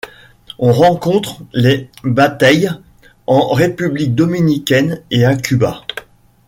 On rencontre des bateyes en République dominicaine et à Cuba.